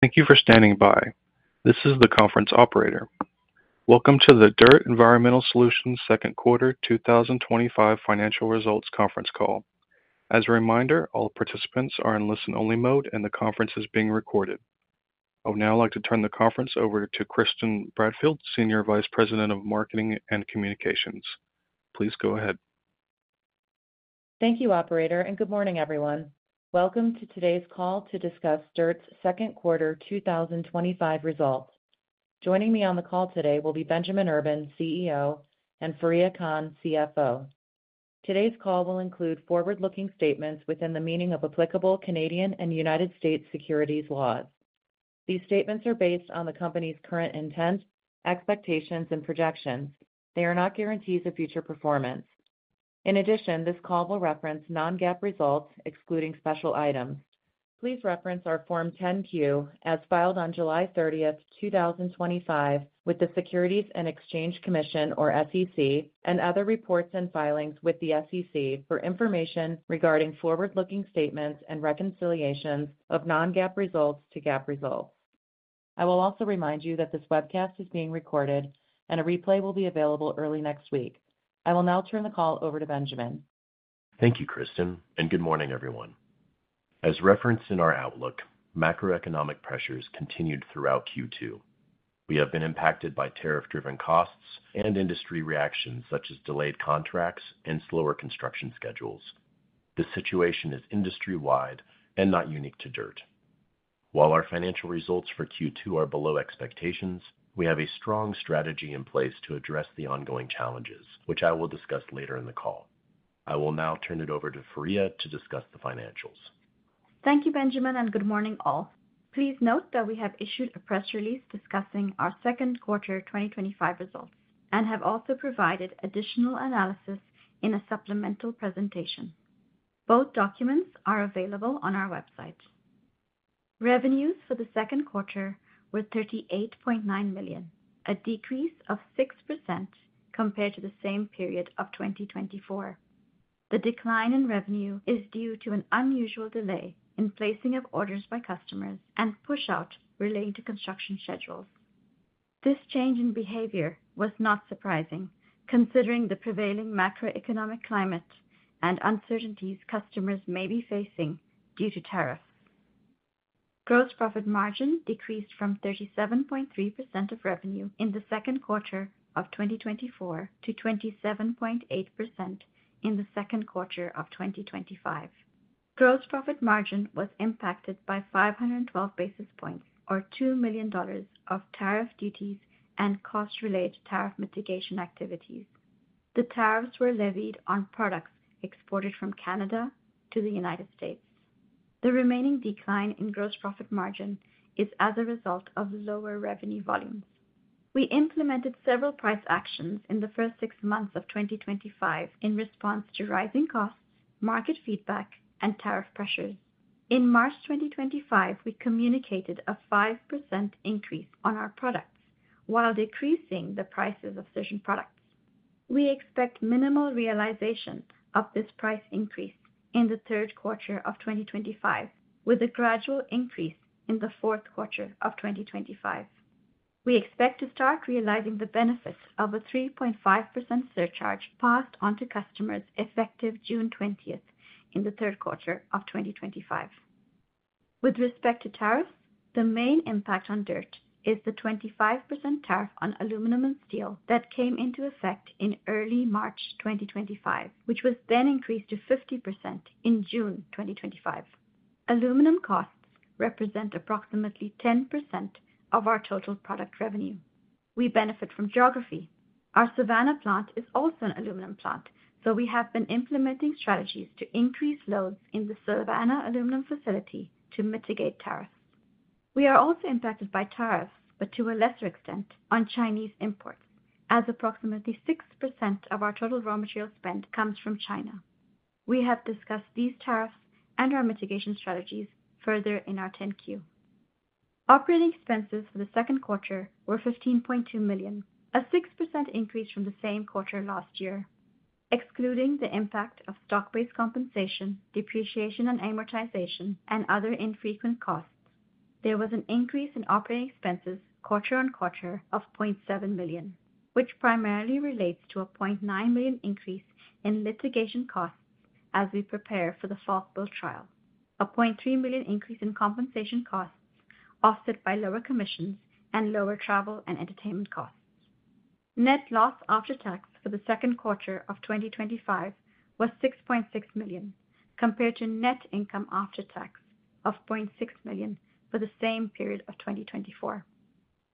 Thank you for standing by. This is the conference operator. Welcome to the DIRTT Environmental Solutions second quarter 2025 financial results conference call. As a reminder, all participants are in listen-only mode, and the conference is being recorded. I would now like to turn the conference over to Kristin Bradfield, Senior Vice President of Marketing and Communications. Please go ahead. Thank you, Operator, and good morning, everyone. Welcome to today's call to discuss DIRTT's second quarter 2025 results. Joining me on the call today will be Benjamin Urban, CEO, and Fareeha Khan, CFO. Today's call will include forward-looking statements within the meaning of applicable Canadian and U.S. securities laws. These statements are based on the company's current intent, expectations, and projections. They are not guarantees of future performance. In addition, this call will reference non-GAAP results, excluding special items. Please reference our Form 10-Q, as filed on July 30, 2025, with the Securities and Exchange Commission, or SEC, and other reports and filings with the SEC for information regarding forward-looking statements and reconciliations of non-GAAP results to GAAP results. I will also remind you that this webcast is being recorded, and a replay will be available early next week. I will now turn the call over to Benjamin. Thank you, Kristin, and good morning, everyone. As referenced in our outlook, macroeconomic pressures continued throughout Q2. We have been impacted by tariff-driven costs and industry reactions such as delayed contracts and slower construction schedules. The situation is industry-wide and not unique to DIRTT. While our financial results for Q2 are below expectations, we have a strong strategy in place to address the ongoing challenges, which I will discuss later in the call. I will now turn it over to Fareeha to discuss the financials. Thank you, Benjamin, and good morning all. Please note that we have issued a press release discussing our second quarter 2025 results and have also provided additional analysis in a supplemental presentation. Both documents are available on our website. Revenues for the second quarter were $38.9 million, a decrease of 6% compared to the same period of 2024. The decline in revenue is due to an unusual delay in placing of orders by customers and push-out related to construction schedules. This change in behavior was not surprising, considering the prevailing macroeconomic climate and uncertainties customers may be facing due to tariffs. Gross profit margin decreased from 37.3% of revenue in the second quarter of 2024 to 27.8% in the second quarter of 2025. Gross profit margin was impacted by 512 basis points, or $2 million, of tariff duties and cost-related tariff mitigation activities. The tariffs were levied on products exported from Canada to the U.S. The remaining decline in gross profit margin is as a result of lower revenue volumes. We implemented several price actions in the first six months of 2025 in response to rising costs, market feedback, and tariff pressures. In March 2025, we communicated a 5% increase on our products while decreasing the prices of certain products. We expect minimal realization of this price increase in the third quarter of 2025, with a gradual increase in the fourth quarter of 2025. We expect to start realizing the benefits of a 3.5% surcharge passed on to customers effective June 20th in the third quarter of 2025. With respect to tariffs, the main impact on DIRTT is the 25% tariff on aluminum and steel that came into effect in early March 2025, which was then increased to 50% in June 2025. Aluminum costs represent approximately 10% of our total product revenue. We benefit from geography. Our Savannah plant is also an aluminum plant, so we have been implementing strategies to increase loads in the Savannah aluminum facility to mitigate tariffs. We are also impacted by tariffs, but to a lesser extent, on Chinese imports, as approximately 6% of our total raw material spend comes from China. We have discussed these tariffs and our mitigation strategies further in our 10-Q. Operating expenses for the second quarter were $15.2 million, a 6% increase from the same quarter last year, excluding the impact of stock-based compensation, depreciation and amortization, and other infrequent costs. There was an increase in operating expenses quarter on quarter of $0.7 million, which primarily relates to a $0.9 million increase in litigation costs as we prepare for the Falkbuilt trial, a $0.3 million increase in compensation costs offset by lower commissions and lower travel and entertainment costs. Net loss after tax for the second quarter of 2025 was $6.6 million, compared to net income after tax of $0.6 million for the same period of 2024.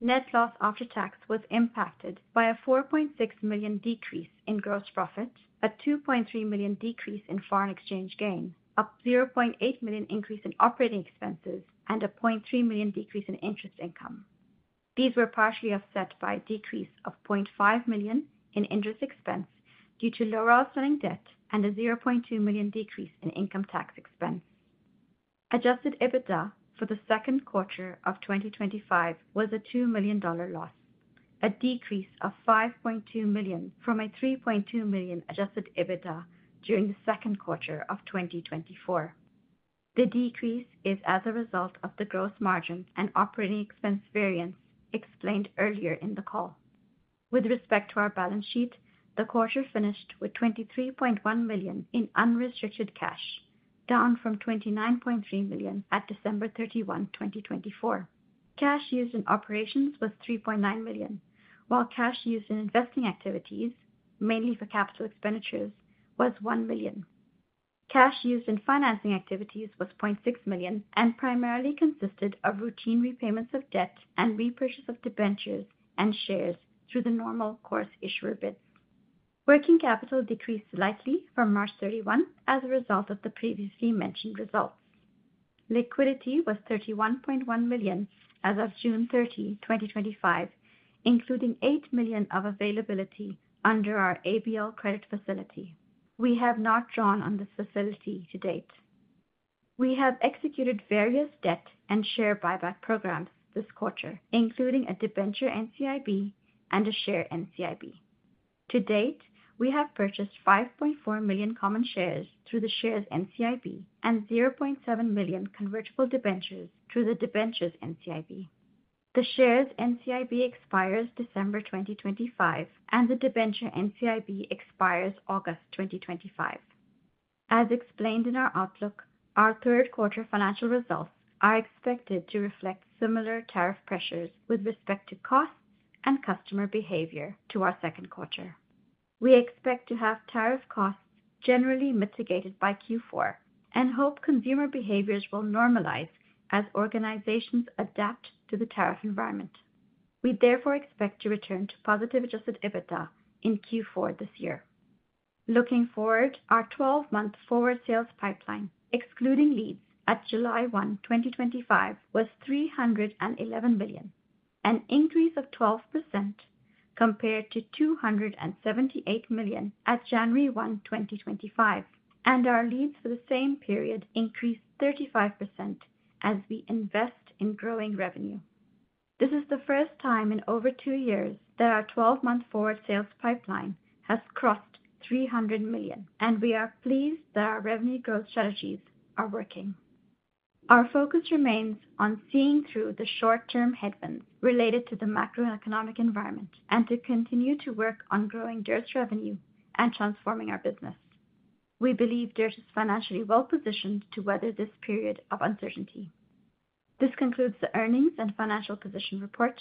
Net loss after tax was impacted by a $4.6 million decrease in gross profits, a $2.3 million decrease in foreign exchange gain, a $0.8 million increase in operating expenses, and a $0.3 million decrease in interest income. These were partially offset by a decrease of $0.5 million in interest expense due to lower outstanding debt and a $0.2 million decrease in income tax expense. Adjusted EBITDA for the second quarter of 2025 was a $2 million loss, a decrease of $5.2 million from a $3.2 million adjusted EBITDA during the second quarter of 2024. The decrease is as a result of the gross margin and operating expense variance explained earlier in the call. With respect to our balance sheet, the quarter finished with $23.1 million in unrestricted cash, down from $29.3 million at December 31, 2024. Cash used in operations was $3.9 million, while cash used in investing activities, mainly for capital expenditures, was $1 million. Cash used in financing activities was $0.6 million and primarily consisted of routine repayments of debt and repurchase of debentures and shares through the normal course issuer bids. Working capital decreased slightly from March 31 as a result of the previously mentioned results. Liquidity was $31.1 million as of June 30, 2025, including $8 million of availability under our ABL credit facility. We have not drawn on this facility to date. We have executed various debt and share buyback programs this quarter, including a debenture NCIB and a share NCIB. To date, we have purchased 5.4 million common shares through the shares NCIB and $0.7 million convertible debentures through the debentures NCIB. The shares NCIB expires December 2025, and the debenture NCIB expires August 2025. As explained in our outlook, our third quarter financial results are expected to reflect similar tariff pressures with respect to costs and customer behavior to our second quarter. We expect to have tariff costs generally mitigated by Q4 and hope consumer behaviors will normalize as organizations adapt to the tariff environment. We therefore expect to return to positive adjusted EBITDA in Q4 this year. Looking forward, our 12-month forward sales pipeline, excluding leads at July 1, 2025, was $311 million, an increase of 12% compared to $278 million at January 1, 2025, and our leads for the same period increased 35% as we invest in growing revenue. This is the first time in over two years that our 12-month forward sales pipeline has crossed $300 million, and we are pleased that our revenue growth strategies are working. Our focus remains on seeing through the short-term headwinds related to the macroeconomic environment and to continue to work on growing DIRTT's revenue and transforming our business. We believe DIRTT is financially well positioned to weather this period of uncertainty. This concludes the earnings and financial position report.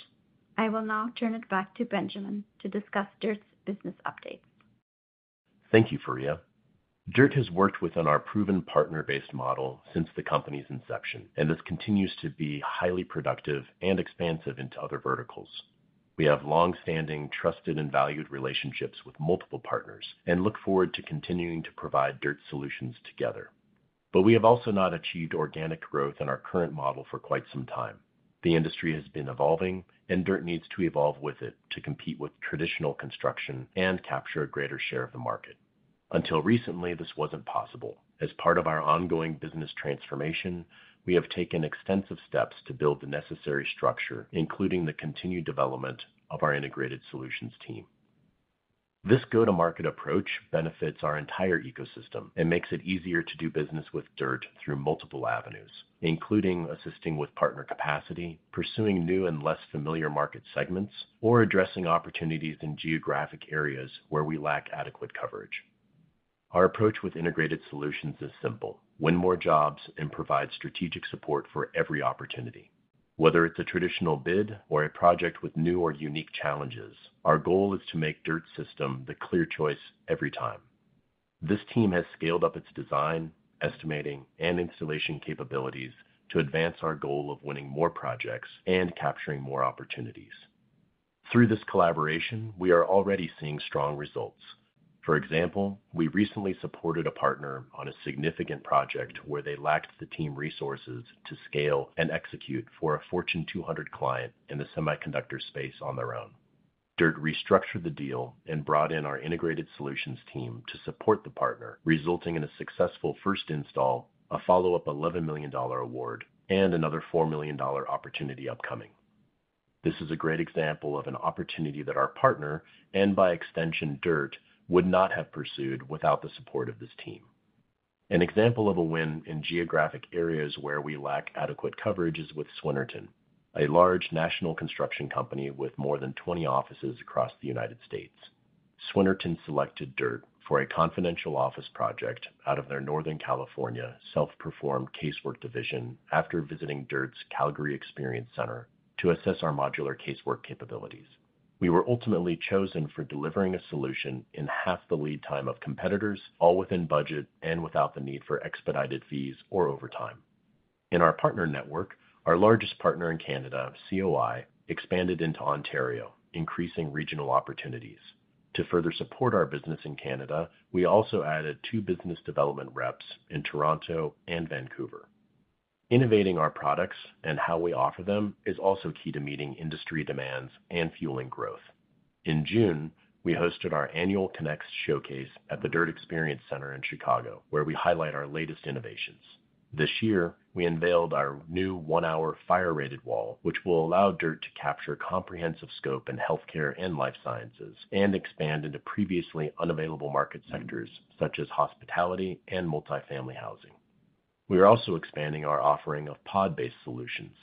I will now turn it back to Benjamin to discuss DIRTT's business updates. Thank you, Fareeha. DIRTT has worked within our proven partner-based model since the company's inception and continues to be highly productive and expansive into other verticals. We have longstanding, trusted, and valued relationships with multiple partners and look forward to continuing to provide DIRTT solutions together. We have also not achieved organic growth in our current model for quite some time. The industry has been evolving, and DIRTT needs to evolve with it to compete with traditional construction and capture a greater share of the market. Until recently, this wasn't possible. As part of our ongoing business transformation, we have taken extensive steps to build the necessary structure, including the continued development of our integrated solutions team. This go-to-market approach benefits our entire ecosystem and makes it easier to do business with DIRTT through multiple avenues, including assisting with partner capacity, pursuing new and less familiar market segments, or addressing opportunities in geographic areas where we lack adequate coverage. Our approach with integrated solutions is simple: win more jobs and provide strategic support for every opportunity. Whether it's a traditional bid or a project with new or unique challenges, our goal is to make DIRTT's system the clear choice every time. This team has scaled up its design, estimating, and installation capabilities to advance our goal of winning more projects and capturing more opportunities. Through this collaboration, we are already seeing strong results. For example, we recently supported a partner on a significant project where they lacked the team resources to scale and execute for a Fortune 200 client in the semiconductor space on their own. DIRTT restructured the deal and brought in our integrated solutions team to support the partner, resulting in a successful first install, a follow-up $11 million award, and another $4 million opportunity upcoming. This is a great example of an opportunity that our partner, and by extension DIRTT, would not have pursued without the support of this team. An example of a win in geographic areas where we lack adequate coverage is with Swinerton, a large national construction company with more than 20 offices across the United States. Swinerton selected DIRTT for a confidential office project out of their Northern California self-performed casework division after visiting DIRTT's Calgary Experience Center to assess our modular casework capabilities. We were ultimately chosen for delivering a solution in half the lead time of competitors, all within budget and without the need for expedited fees or overtime. In our partner network, our largest partner in Canada, COI, expanded into Ontario, increasing regional opportunities. To further support our business in Canada, we also added two business development reps in Toronto and Vancouver. Innovating our products and how we offer them is also key to meeting industry demands and fueling growth. In June, we hosted our annual ConneXT showcase at the DIRTT Experience Center in Chicago, where we highlight our latest innovations. This year, we unveiled our new one-hour fire-rated wall, which will allow DIRTT to capture comprehensive scope in healthcare and life sciences and expand into previously unavailable market sectors such as hospitality and multifamily housing. We are also expanding our offering of pod-based solutions.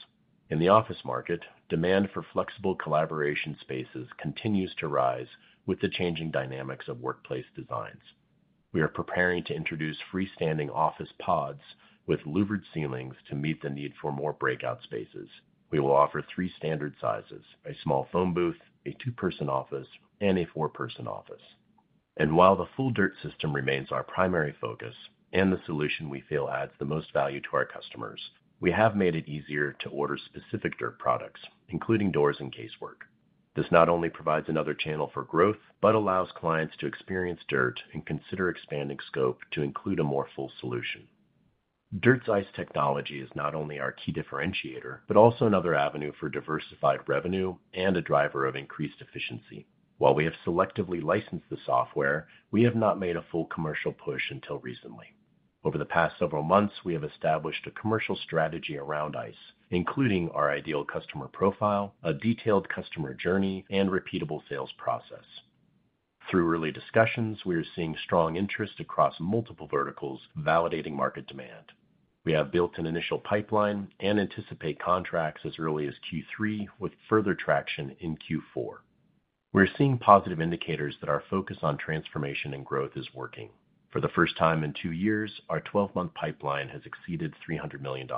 In the office market, demand for flexible collaboration spaces continues to rise with the changing dynamics of workplace designs. We are preparing to introduce freestanding office pods with louvered ceilings to meet the need for more breakout spaces. We will offer three standard sizes: a small phone booth, a two-person office, and a four-person office. While the full DIRTT system remains our primary focus and the solution we feel adds the most value to our customers, we have made it easier to order specific DIRTT products, including doors and casework. This not only provides another channel for growth but allows clients to experience DIRTT and consider expanding scope to include a more full solution. DIRTT's ICE technology is not only our key differentiator but also another avenue for diversified revenue and a driver of increased efficiency. While we have selectively licensed the software, we have not made a full commercial push until recently. Over the past several months, we have established a commercial strategy around ICE, including our ideal customer profile, a detailed customer journey, and repeatable sales process. Through early discussions, we are seeing strong interest across multiple verticals, validating market demand. We have built an initial pipeline and anticipate contracts as early as Q3, with further traction in Q4. We are seeing positive indicators that our focus on transformation and growth is working. For the first time in two years, our 12-month pipeline has exceeded $300 million.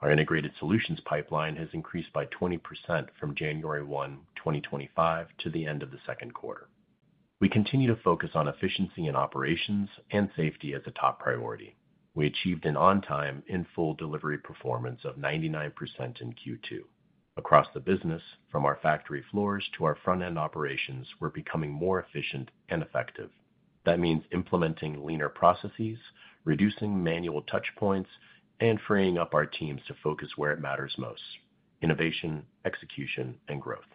Our integrated solutions pipeline has increased by 20% from January 1, 2025, to the end of the second quarter. We continue to focus on efficiency in operations and safety as a top priority. We achieved an on-time, in-full delivery performance of 99% in Q2. Across the business, from our factory floors to our front-end operations, we're becoming more efficient and effective. That means implementing leaner processes, reducing manual touchpoints, and freeing up our teams to focus where it matters most: innovation, execution, and growth.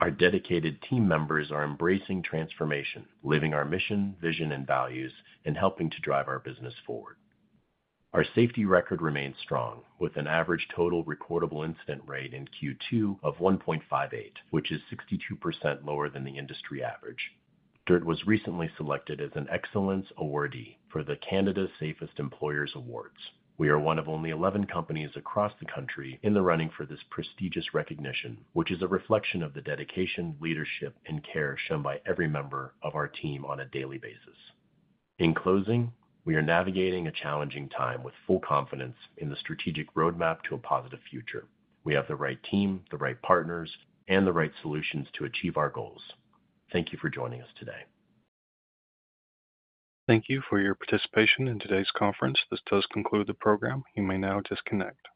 Our dedicated team members are embracing transformation, living our mission, vision, and values, and helping to drive our business forward. Our safety record remains strong, with an average total reportable incident rate in Q2 of 1.58, which is 62% lower than the industry average. DIRTT was recently selected as an Excellence awardee for the Canada's Safest Employers Awards. We are one of only 11 companies across the country in the running for this prestigious recognition, which is a reflection of the dedication, leadership, and care shown by every member of our team on a daily basis. In closing, we are navigating a challenging time with full confidence in the strategic roadmap to a positive future. We have the right team, the right partners, and the right solutions to achieve our goals. Thank you for joining us today. Thank you for your participation in today's conference. This does conclude the program. You may now disconnect.